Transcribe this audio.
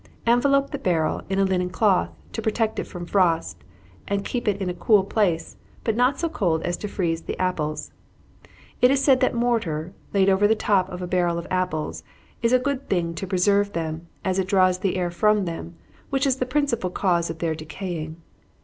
Envelope the barrel in a linen cloth, to protect it from frost, and keep it in a cool place, but not so cold as to freeze the apples. It is said that mortar, laid over the top of a barrel of apples, is a good thing to preserve them, as it draws the air from them, which is the principal cause of their decaying.